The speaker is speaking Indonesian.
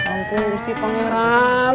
astaga musti pengeran